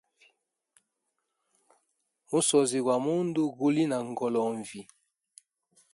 Musozi gwa mundu guli na ngolonvi.